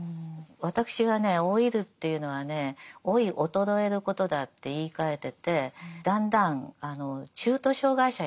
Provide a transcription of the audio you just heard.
私はね老いるっていうのはね老い衰えることだって言いかえててだんだん中途障がい者になっていく。